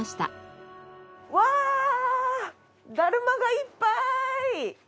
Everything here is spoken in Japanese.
わあだるまがいっぱい！